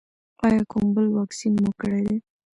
ایا کوم بل واکسین مو کړی دی؟